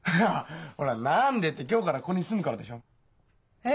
何でって今日からここに住むからでしょ。え！？